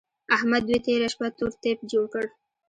احمد دوی تېره شپه تور تيپ جوړ کړ.